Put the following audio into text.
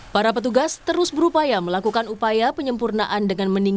para petugas terus berupaya melakukan upaya penyempurnaan dengan meningkatkan